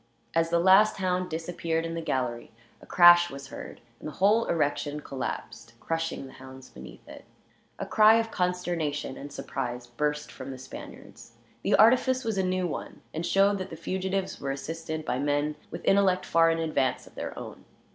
As the last hound disappeared in the gallery, a crash was heard, and the whole erection collapsed, crushing the hounds beneath it. A cry of consternation and surprise burst from the Spaniards. The artifice was a new one, and showed that the fugitives were assisted by men with intellect far in advance of their own.